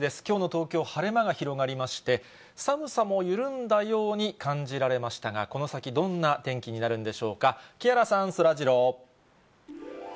きょうの東京、晴れ間が広がりまして、寒さも緩んだように感じられましたが、この先、どんな天気になるんでしょうか、木原さん、そらジロー。